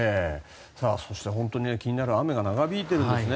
そして、本当に気になる雨が長引いているんですね。